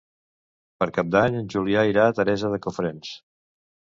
Per Cap d'Any en Julià irà a Teresa de Cofrents.